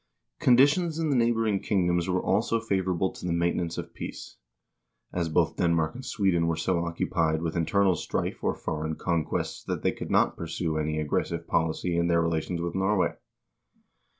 Conditions in the neighboring kingdoms were also favorable to the maintenance of peace, as both Denmark and Sweden were so occupied with in ternal strife or foreign conquests that they could not pursue any aggressive policy in their relations with Norway.